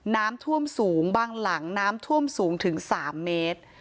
น้ำท่วมสูงบางหลังน้ำท่วมสูงถึง๓เมตร